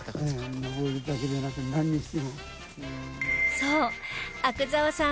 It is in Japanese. そう阿久澤さん